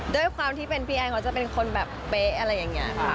ด้วยความที่เป็นพี่แอนเขาจะเป็นคนแบบเป๊ะอะไรอย่างนี้ค่ะ